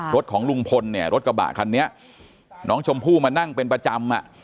รถของลุงพลเนี่ยรถกระบะคันนี้น้องชมพู่มานั่งเป็นประจำอ่ะ